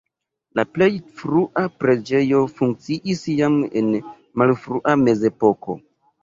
La plej frua preĝejo funkciis jam en la malfrua mezepoko.